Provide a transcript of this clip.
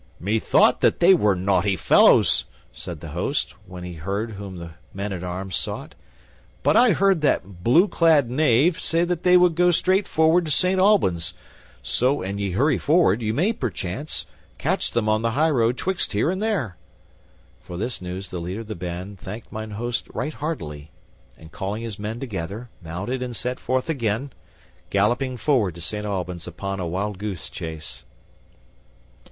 "Methought that they were naughty fellows," said the host, when he heard whom the men at arms sought. "But I heard that blue clad knave say that they would go straight forward to Saint Albans; so, an ye hurry forward, ye may, perchance, catch them on the highroad betwixt here and there." For this news the leader of the band thanked mine host right heartily, and, calling his men together, mounted and set forth again, galloping forward to Saint Albans upon a wild goose chase.